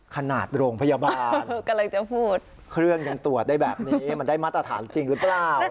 ขนาดโรงพยาบาลเครื่องยังตรวจได้แบบนี้มันได้มัดอาถารณ์จริงหรือเปล่า